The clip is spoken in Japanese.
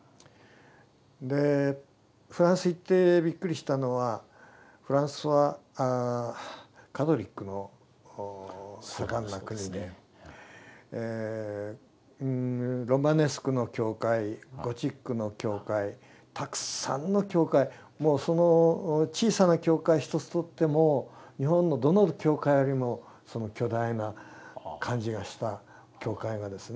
でフランス行ってびっくりしたのはフランスはカトリックの盛んな国でロマネスクの教会ゴシックの教会たくさんの教会もうその小さな教会ひとつとっても日本のどの教会よりも巨大な感じがした教会がですね